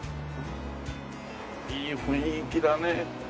いい雰囲気だね。